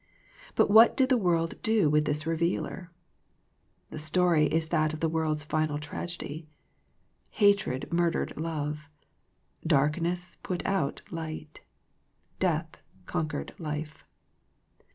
But what did the world do with this Revealer ? The story is that of the world's final tragedy. Hatred murdered love. Darkness put out light. Death conquered life.